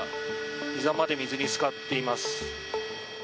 ひざまで水につかっています。